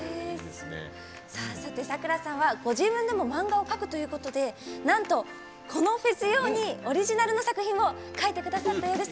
さくらさんは、ご自分でも描くということでこのフェス用にオリジナルの作品を描いてくださったようです。